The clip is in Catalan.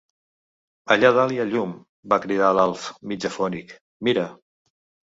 Allà dalt hi ha llum! —va cridar l'Alf, mig afònic— Mira!